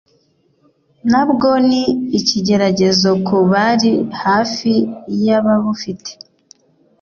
nabwo ni ikigeragezo ku bari hafi y’ababufite,